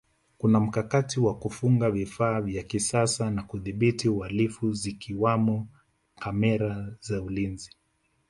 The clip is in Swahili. kuna mkakati wa kufunga vifaa vya kisasa vya kudhibiti uhalifu zikiwamo kamera za ulinzi